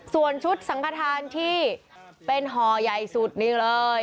ส่วนชุดสังขทานที่เป็นห่อใหญ่สุดนี่เลย